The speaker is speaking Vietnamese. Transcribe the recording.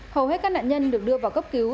hầu hết các nạn nhân được đưa vào cấp cứu